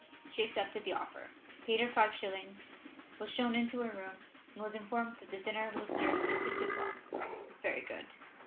She accepted the offer, paid her five shillings, was shown into a room, and was informed that the dinner was served at six o'clock. Very good.